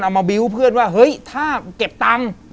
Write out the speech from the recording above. มาบิวต์เพื่อนว่าเฮ้ยถ้าเก็บตังค์